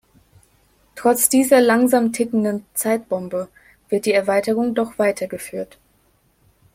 Trotz dieser langsam tickenden Zeitbombe wird die Erweiterung doch weitergeführt.